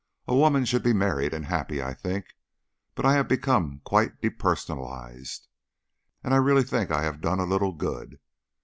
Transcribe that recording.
A woman should be married and happy, I think, but I have become quite depersonalized. And I really think I have done a little good.